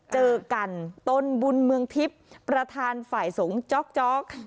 เจอกันตนบุญเมืองทิพย์ประธานฝ่ายสงฆ์จ๊อก